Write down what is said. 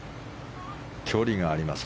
距離があります。